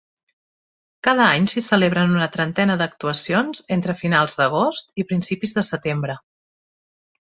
Cada any s'hi celebren una trentena d'actuacions entre finals d'agost i principis de setembre.